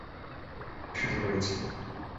আমরা এটাকে বিকশিত করেছি।